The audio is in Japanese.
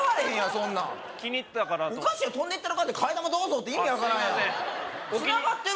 そんなん気に入ってたかなとおかしいやん飛んでったろかで替え玉どうぞって意味分からんやん